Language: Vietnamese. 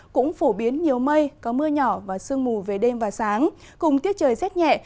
cũng phổ biến nhiều mây có mưa nhỏ và sương mù về đêm và sáng cùng tiết trời rét nhẹ